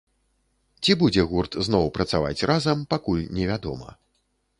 Ці будзе гурт зноў працаваць разам, пакуль не вядома.